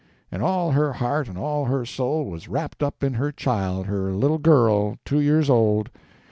And all her heart and all her soul was wrapped up in her child, her little girl, two years old.